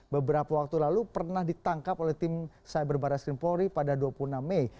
beberapa waktu lalu pernah ditangkap oleh tim cyber barat skrim polri pada dua puluh enam mei